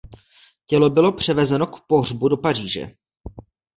Tělo bylo převezeno k pohřbu do Paříže.